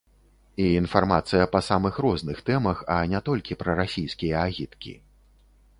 І інфармацыя па самых розных тэмах, а не толькі прарасійскія агіткі.